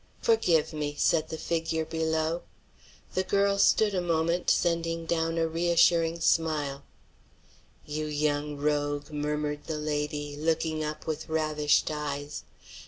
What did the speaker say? "Forgive me!" said the figure below. The girl stood a moment, sending down a re assuring smile. "You young rogue!" murmured the lady, looking up with ravished eyes.